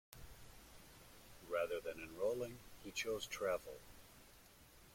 Rather than enrolling, he chose travel.